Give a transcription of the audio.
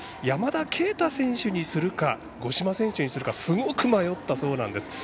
山田渓太選手にするか五島選手にするかすごく迷ったそうなんです。